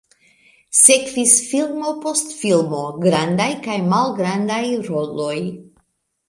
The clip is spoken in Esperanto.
Sekvis filmo post filmo, grandaj kaj malgrandaj roloj.